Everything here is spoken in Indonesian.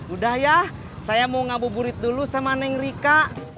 udah ya saya mau ngabuburit dulu sama neng rika